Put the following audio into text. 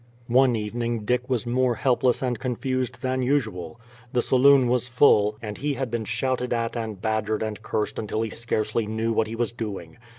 One evening Dick was more helpless and confused than usual. The saloon was full, and he had been shouted at and badgered and cursed until he scarcely knew what he was doing.